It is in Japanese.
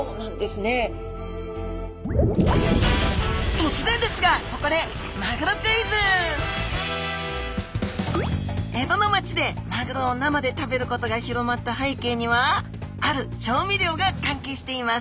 突然ですがここで江戸の街でマグロを生で食べることが広まった背景にはある調味料が関係しています。